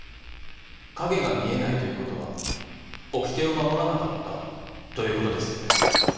影が見えないということはおきてを守らなかったということですよね？